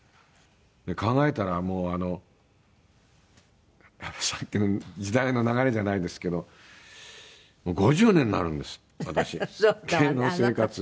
考えたらもうさっきの時代の流れじゃないですけど５０年になるんです私芸能生活。